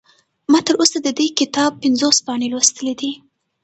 ما تر اوسه د دې کتاب پنځوس پاڼې لوستلي دي.